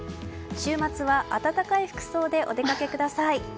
週末は暖かい服装でお出かけください。